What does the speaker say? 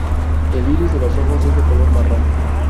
El iris de los ojos es de color marrón.